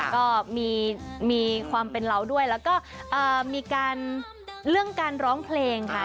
ก็มีความเป็นเราด้วยแล้วก็มีการเรื่องการร้องเพลงค่ะ